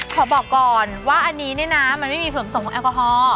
ขอบอกก่อนว่าอันนี้เนี่ยนะมันไม่มีผลส่งของแอลกอฮอล์